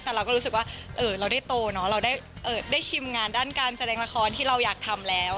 แต่เราก็รู้สึกว่าเราได้โตเนอะเราได้ชิมงานด้านการแสดงละครที่เราอยากทำแล้ว